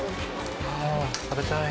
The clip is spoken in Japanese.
ああ食べたい。